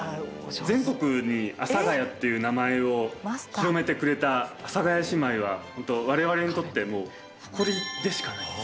全国に阿佐ヶ谷っていう名前を広めてくれた阿佐ヶ谷姉妹は本当我々にとってもう誇りでしかない。